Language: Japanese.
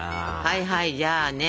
はいはいじゃあね